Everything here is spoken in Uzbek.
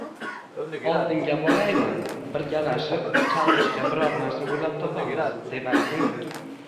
Oldingga boraymi, birgalashib chalg‘ishga biron narsa o‘ylab topamiz?” deb ayting.